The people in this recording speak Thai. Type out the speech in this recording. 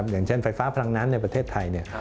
อย่างเช่นไฟฟ้าพลังน้ำในประเทศไทย